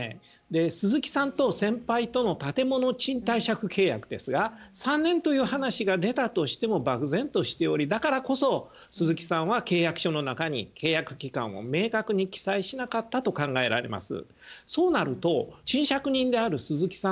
鈴木さんと先輩との建物賃貸借契約ですが３年という話が出たとしても漠然としておりだからこそ鈴木さんは契約書の中に契約期間を明確に記載しなかったと考えられます。